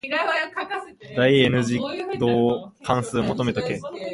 第 n 次導関数求めとけ。